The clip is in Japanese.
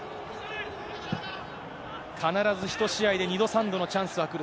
必ず１試合で２度、３度のチャンスが来る。